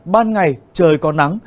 ban ngày trời có nắng